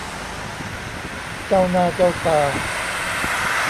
เจ้าหน้าเจ้าตา